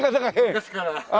昔からね。